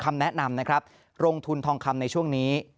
คำแนะนำนะครับลงทุนทองคำในช่วงนี้